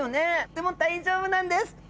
でも大丈夫なんです。